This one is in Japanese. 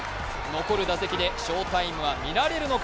残る打席で翔タイムは見られるのか。